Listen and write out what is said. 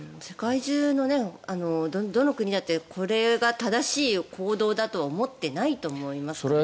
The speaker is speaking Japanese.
世界中のどの国だってこれが正しい行動だとは思っていないと思います。